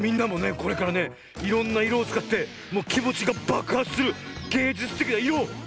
これからねいろんないろをつかってもうきもちがばくはつするげいじゅつてきないろをつくってみてくれ！